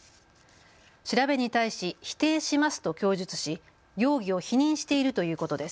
調べに対し否定しますと供述し容疑を否認しているということです。